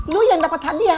lu yang dapet hadiah